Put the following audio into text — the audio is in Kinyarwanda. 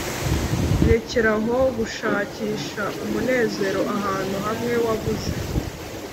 rekeraho gushakisha umunezero ahantu hamwe wabuze.